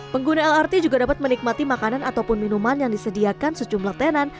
pengguna lrt juga dapat menikmati makanan ataupun minuman yang disediakan sejumlah tenan